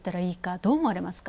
どう思われますか？